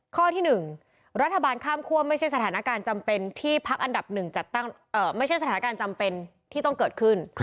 ข้อที่๑รัฐบาลข้ามคั่วไม่ใช่สถานการณ์จำเป็นที่ต้องเกิดขึ้น